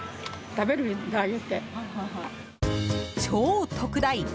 超特大！